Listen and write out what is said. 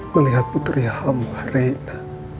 melihat putri abba reina